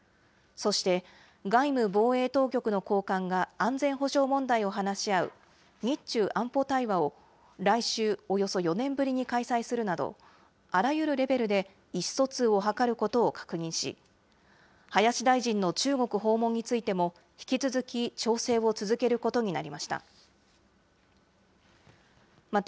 そして、外務・防衛当局の高官が安全保障問題を話し合う日中安保対話を来週、およそ４年ぶりに開催するなど、あらゆるレベルで意思疎通を図ることを確認し、林大臣の中国訪問についても、引き続き調整を続けることになりました。